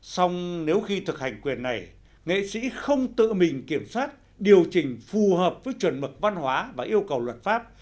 xong nếu khi thực hành quyền này nghệ sĩ không tự mình kiểm soát điều chỉnh phù hợp với chuẩn mực văn hóa và yêu cầu luật pháp